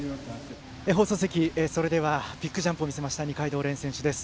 放送席、それではビッグジャンプを見せました二階堂蓮選手です。